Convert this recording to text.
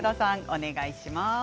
お願いします。